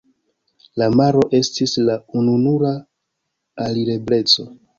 La maro estis la ununura alirebleco.